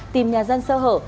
tìm nhà dân sơ hở